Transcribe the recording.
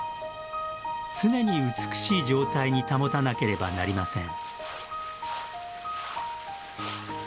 常に美しい状態に保たなければなりません。